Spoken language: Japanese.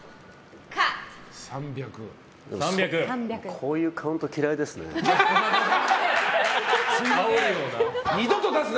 こういうカウントきらいですね。